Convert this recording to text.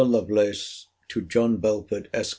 LOVELACE, TO JOHN BELFORD, ESQ.